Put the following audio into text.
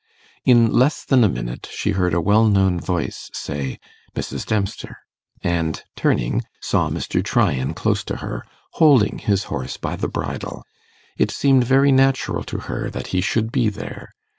In less than a minute she heard a well known voice say, 'Mrs. Dempster'; and, turning, saw Mr. Tryan close to her, holding his horse by the bridle. It seemed very natural to her that he should be there.